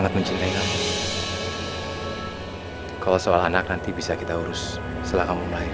aku tidak mikirkan kalau kamu lagi hamil